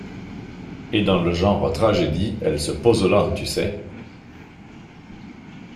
Et dans le genre tragédie, elle se pose là, tu sais ?